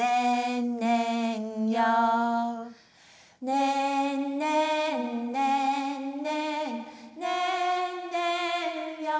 「ねんねんねんねんねんねんよー」